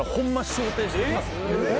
掌底してきます。